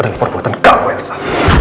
adalah perbuatan kamu elsa